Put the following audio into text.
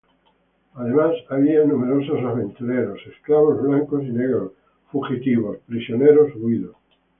Además había numerosos aventureros, esclavos blancos y negros fugitivos, prisioneros huidos.